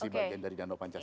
ini bagian dari danau pancasila